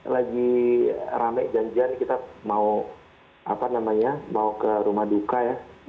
jadi rame janjian kita mau ke rumah duka ya